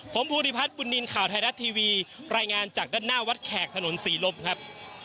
ผมภูริพัฒน์บุญนินทร์ข่าวไทยรัฐทีวีรายงานจากด้านหน้าวัดแขกถนนศรีลบครับ